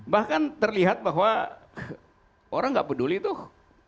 bahkan terlihat bahwa orang nggak peduli tuh